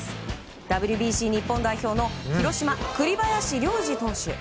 ＷＢＣ日本代表の広島、栗林良吏投手。